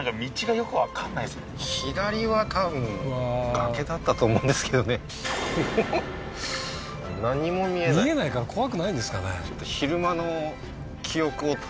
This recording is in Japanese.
崖だったと思うんですけどね見えないから怖くないんですかね？